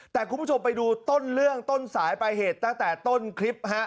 แต่คุณผู้ชมไปดูต้นเรื่องต้นสายปลายเหตุตั้งแต่ต้นคลิปฮะ